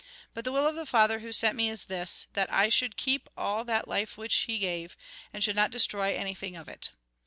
But the will of the Father who sent me is this, that I should keep all that life which he gave, and should not destroy anything of it.